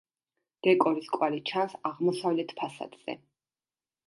დეკორის კვალი ჩანს აღმოსავლეთ ფასადზე.